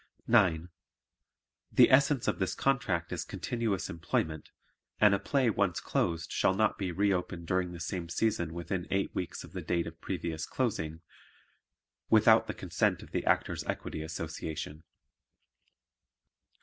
9. The essence of this contract is continuous employment and a play once closed shall not be re opened during the same season within eight weeks of the date of previous closing, without the consent of the Actors' Equity Association.